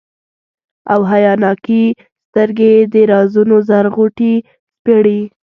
او حیاناکي سترګي یې د رازونو زر غوټي سپړي،